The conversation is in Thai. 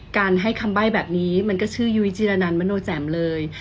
การให้คำใบ้แบบนี้มันก็ชื่อยจมเลย